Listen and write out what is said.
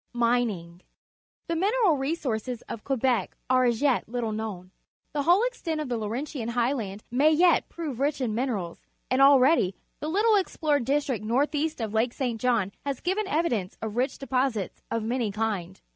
Mining. — The mineral resources of Quebec are as yet little known. The whole extent of the Laurentian Highland may yet prove rich in minerals, and already the httle ex plored district north east of Lake St. John has given evidence of rich deposits of many kinds.